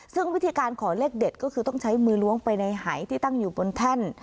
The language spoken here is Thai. ซึ่งวิธีการขอเลขเด็ดก็คือต้องใช้มือล้วงไปในหายที่ตั้งอยู่บนแท่น